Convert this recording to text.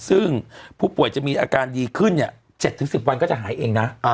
ซึ่งผู้ป่วยจะมีอาการดีขึ้น๗๑๐วันก็จะหายเองนะ